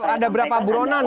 ada berapa buronan